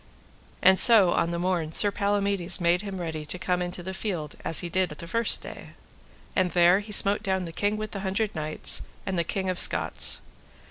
And so on the morn Sir Palamides made him ready to come into the field as he did the first day. And there he smote down the King with the Hundred Knights, and the King of Scots.